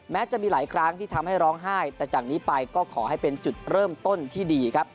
จะมีหลายครั้งที่ทำให้ร้องไห้แต่จากนี้ไปก็ขอให้เป็นจุดเริ่มต้นที่ดีครับ